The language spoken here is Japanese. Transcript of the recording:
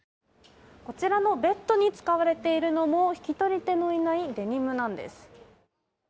こちらのベッドに使われているのも引き取り手のいないデニムなんです。